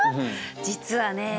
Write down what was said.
実はね